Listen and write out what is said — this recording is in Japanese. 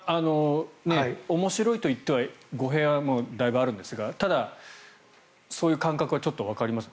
面白いと言っては語弊はだいぶあるんですがただ、そういう感覚はちょっとわかります。